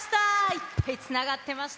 いっぱいつながってました。